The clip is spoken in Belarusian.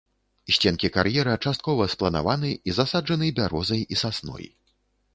Сценкі кар'ера часткова спланаваны і засаджаны бярозай і сасной.